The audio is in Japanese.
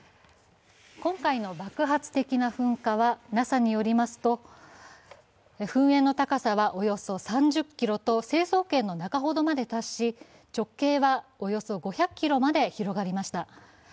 今回の爆発的な噴火はＮＡＳＡによりますと噴煙の高さはおよそ３０ｋｍと成層圏の中ほどまで達し、直径はおよそ５００ｋｍまで広がりました。